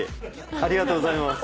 ありがとうございます。